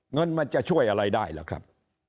เงินมันจะช่วยอะไรได้ล่ะครับ